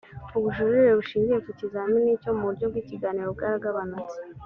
ubujurire bushingiye ku kizamini cyo mu buryo bw ikiganiro bwaragabanutse